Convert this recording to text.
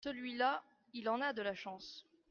celui-là il en a de la chance.